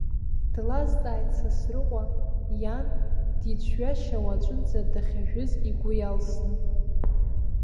Длазҵааит Сасрыҟәа, иан дицәҩашьауа аҿынӡа дахьажәыз игәы иалсны.